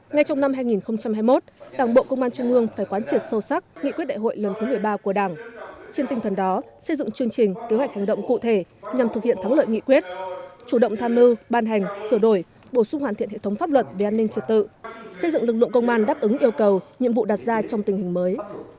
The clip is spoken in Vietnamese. ngay trong năm hai nghìn hai mươi một đảng bộ công an trung ương phải quán triệt sâu sắc nghị quyết đại hội lần thứ một mươi ba của đảng trên tinh thần đó xây dựng chương trình kế hoạch hành động cụ thể nhằm thực hiện thắng lợi nghị quyết chủ động tham mưu ban hành sửa đổi bổ sung hoàn thiện hệ thống pháp luật về an ninh trật tự xây dựng lực lượng công an đáp ứng yêu cầu nhiệm vụ đặt ra trong tình hình mới